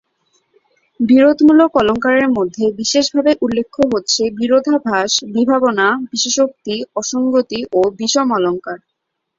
বিরোধমূলক অলঙ্কারের মধ্যে বিশেষভাবে উল্লেখ্য হচ্ছে বিরোধাভাস, বিভাবনা, বিশেষোক্তি, অসঙ্গতি ও বিষম অলঙ্কার।